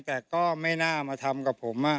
แต่ก็ไม่น่ามาทำกับผม